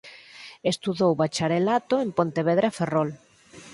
Estudou o Bacharelato en Pontevedra e Ferrol.